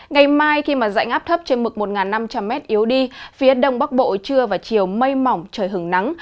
ngày mai khi dạnh áp thấp trên mực một năm trăm linh m yếu đi phía đông bắc bộ trưa và chiều mây mỏng trời hứng nắng